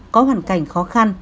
có hoàn cảnh khó khăn